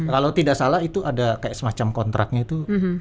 kalau tidak salah itu ada kayak semacam kontraknya itu